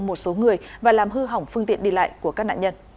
một số người và làm hư hỏng phương tiện đi lại của các nạn nhân